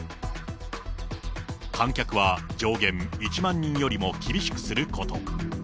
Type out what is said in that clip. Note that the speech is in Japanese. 観客は上限１万人よりも厳しくすること。